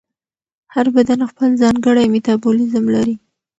هر بدن خپل ځانګړی میتابولیزم لري.